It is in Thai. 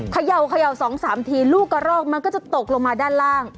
เขย่า๒๓ทีลูกกระรอกมันก็จะตกลงมาด้านล่าง